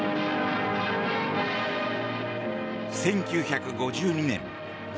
１９５２年父